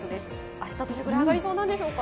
明日どれくらい上がりそうなんでしょうか？